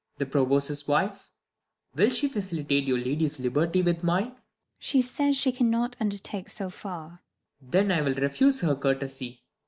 The Provost's wife 1 will she facilitate Your lady's liberty with mine 1 Maid. She says, she cannot undertake so far. Claud. Then I'll refuse her courtesy.